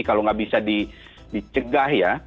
kalau nggak bisa dicegah ya